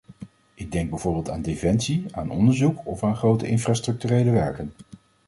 Ik denk bijvoorbeeld aan defensie, aan onderzoek of aan grote infrastructurele werken.